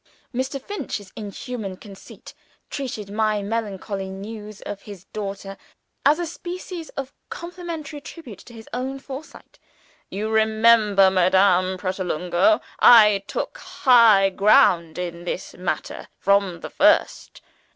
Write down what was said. Mr. Finch's inhuman conceit treated my melancholy news of his daughter as a species of complimentary tribute to his own foresight. "You remember, Madame Pratolungo, I took high ground in this matter from the first.